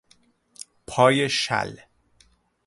پای شل